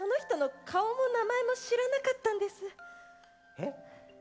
えっ？